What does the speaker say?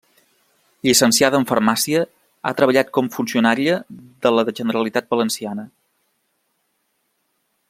Llicenciada en farmàcia, ha treballat com funcionària de la Generalitat Valenciana.